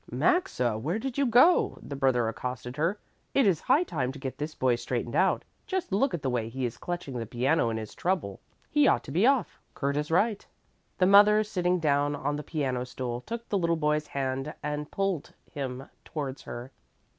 "Maxa, where did you go?" the brother accosted her. "It is high time to get this boy straightened out. Just look at the way he is clutching the piano in his trouble. He ought to be off. Kurt is right." The mother, sitting down on the piano stool, took the little boy's hand and pulled him towards her.